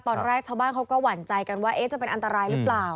ตอนแรกชาวบ้านเขาก็หวั่นใจกันว่าจะเป็นอันตรายหรือเปล่า